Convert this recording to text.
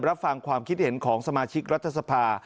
รับฟังความคิดเห็นของสมาชิกรัฐสภา